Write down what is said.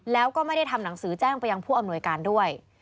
แล้วก็ไม่ได้ทำหนังสือแจ้งไปยังผู้อำนวยการด้วย